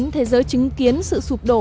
thế giới chứng kiến sự sụp đổ